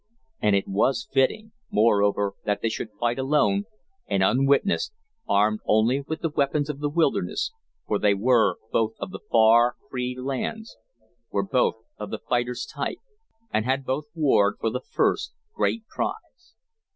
And it was fitting, moreover, that they should fight alone and unwitnessed, armed only with the weapons of the wilderness, for they were both of the far, free lands, were both of the fighter's type, and had both warred for the first, great prize.